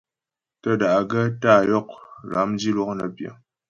Tə́ da'gaə́ tá'a yɔk lâm dilwɔk nə́ pyə.